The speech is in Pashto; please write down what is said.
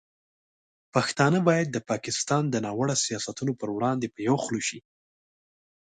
پښتانه باید د پاکستان د ناوړه سیاستونو پر وړاندې په یوه خوله شي.